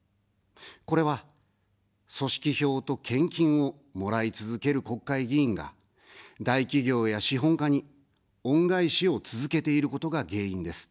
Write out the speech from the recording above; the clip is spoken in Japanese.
これは、組織票と献金をもらい続ける国会議員が、大企業や資本家に恩返しを続けていることが原因です。